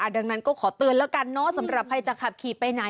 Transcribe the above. ดังนั้นก็ขอเตือนแล้วกันเนอะสำหรับใครจะขับขี่ไปไหน